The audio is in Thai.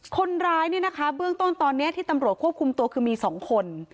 คนร้ายเนี่ยนะคะเบื้องต้นตอนนี้ที่ตำรวจควบคุมตัวคือมี๒คน